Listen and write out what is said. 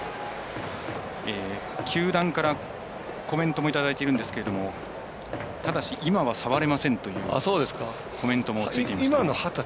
球団からコメントもいただいているんですがただし、今は触れませんというコメントもついていました。